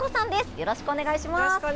よろしくお願いします。